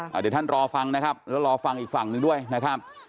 เดี๋ยวท่านรอฟังนะครับแล้วรอฟังอีกฝั่งหนึ่งด้วยนะครับ